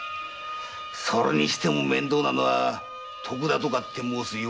それにしても面倒なのは徳田とか申す用心棒で。